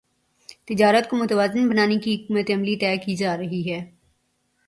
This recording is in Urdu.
تجارت کو متوازن بنانے کی حکمت عملی طے کی جارہی ہے